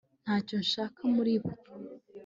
ntacyo nshaka muri bo